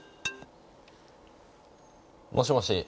もしもし。